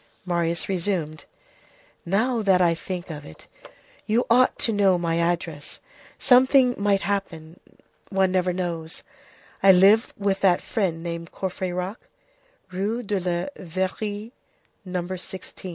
Marius resumed:— "Now that I think of it, you ought to know my address: something might happen, one never knows; I live with that friend named Courfeyrac, Rue de la Verrerie, No. 16."